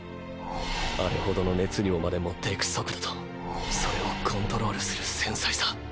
あれほどの熱量まで持っていく速度とそれをコントロールする繊細さ